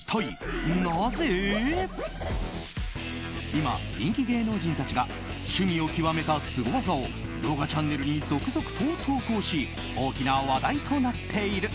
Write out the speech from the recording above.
今、人気芸能人たちが趣味を極めたスゴ技を動画チャンネルに続々と投稿し大きな話題となっている。